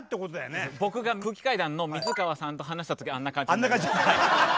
僕が空気階段の水川さんと話した時あんな感じになりました。